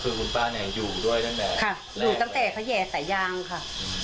คือคุณป้าเนี่ยอยู่ด้วยตั้งแต่ค่ะอยู่ตั้งแต่เขาแห่สายางค่ะ